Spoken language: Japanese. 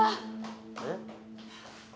えっ？